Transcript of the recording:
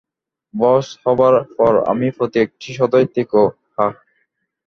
বস হবার পর আমার প্রতি একটু সদয় থেকো, হাহ?